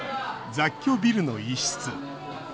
雑居ビルの一室。